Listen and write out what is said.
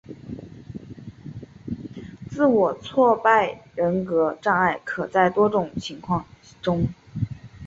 自我挫败人格障碍可出现在多种情形中。